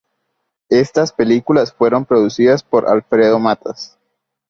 Estas películas fueron producidas por Alfredo Matas.